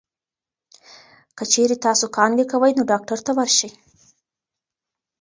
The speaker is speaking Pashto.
که چېرې تاسو کانګې کوئ، نو ډاکټر ته ورشئ.